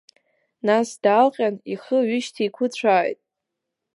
Нас, даалҟьан, ихы ҩышьҭикәыцәааит.